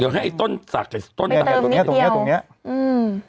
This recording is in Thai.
เดี๋ยวให้ไอ้ต้นสักไอ้ต้นไปเติมนิดเดียวตรงเนี้ยตรงเนี้ยตรงเนี้ยอืม